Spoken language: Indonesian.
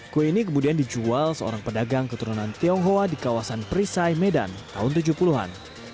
kue ini kemudian dijual seorang pedagang keturunan tionghoa di kawasan perisai medan tahun tujuh puluh an